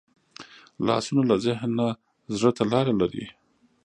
لاسونه له ذهن نه زړه ته لاره لري